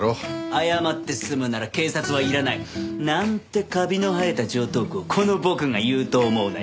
謝って済むなら警察はいらない。なんてカビの生えた常套句をこの僕が言うと思うなよ